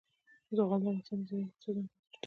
زغال د افغانستان د ځایي اقتصادونو بنسټ دی.